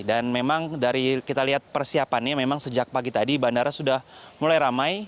dan memang dari kita lihat persiapannya memang sejak pagi tadi bandara sudah mulai ramai